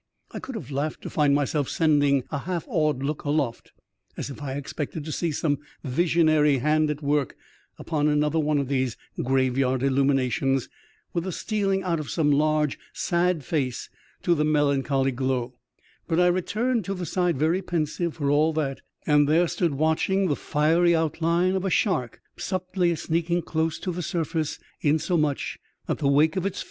I could have laughed to find myself sending^ a half awed look aloft, as if I expected to see some visionary hand at work upon another one of these graveyard illuminations, with a stealing out of some large, sad face to the melancholy glow ; but I returned to the side very pensive for all that, and there stood watching the fiery outline of a shark subtly sneaking dose to the surface (insomuch that the wake of its fin